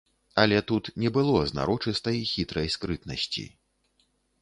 Але тут не было знарочыстай хітрай скрытнасці.